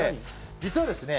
実はですね